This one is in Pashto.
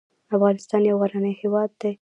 افغانستان یو غرنی هېواد دې .